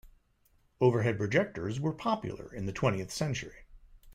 Overhead projectors were popular in the twentieth century.